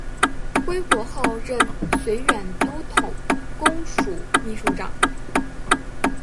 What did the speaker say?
归国后任绥远都统公署秘书长。